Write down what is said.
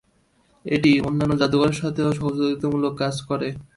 এটি অন্যান্য জাদুঘরের সাথেও সহযোগিতামূলক কাজ করে।